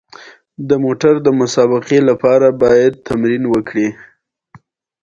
راکټ د اور او زور ترکیب دی